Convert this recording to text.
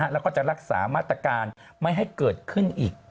แล้วก็จะรักษามาตรการไม่ให้เกิดขึ้นอีก